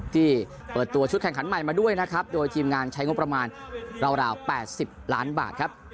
ที่เปิดตัวชุดแข่งขันใหม่มาด้วยนะครับโดยทีมงานใช้งบประมาณราว๘๐ล้านบาทครับ